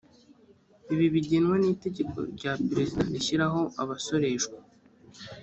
ibi bigenwa n’iteka rya perezida rishyiraho abasoreshwa